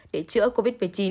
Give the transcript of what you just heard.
để chữa covid một mươi chín